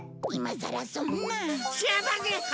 今さらそんな。